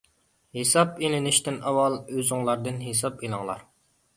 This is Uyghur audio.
ھېساب ئېلىنىشتىن ئاۋۋال ئۆزۈڭلاردىن ھېساب ئېلىڭلار.